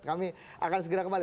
kami akan segera kembali